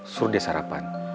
suruh dia sarapan